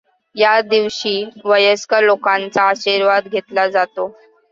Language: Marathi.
या दिवशी वयस्कर लोकांचा आशीर्वाद घेतला जातो.